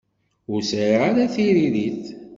Ur sɛiɣ ara tiririt.